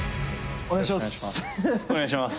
お願いします。